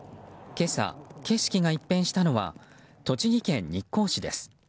今朝、景色が一変したのは栃木県日光市です。